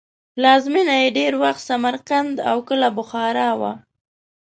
پلازمینه یې ډېر وخت سمرقند او کله بخارا وه.